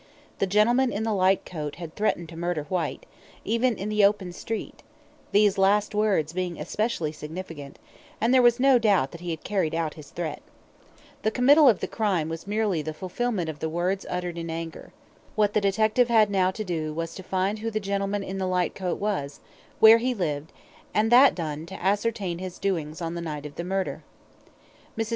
The gentleman in the light coat had threatened to murder Whyte, even in the open street these last words being especially significant and there was no doubt that he had carried out his threat. The committal of the crime was merely the fulfilment of the words uttered in anger. What the detective had now to do was to find who the gentleman in the light coat was, where he lived, and, that done, to ascertain his doings on the night of the murder. Mrs.